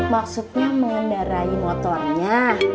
maksudnya mengendarai motornya